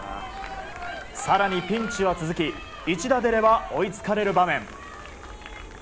更に、ピンチは続き一打出れば追いつかれる場面。